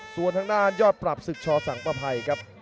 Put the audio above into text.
ส่วนทางด้านยอดปรับศึกชอสังประภัยครับ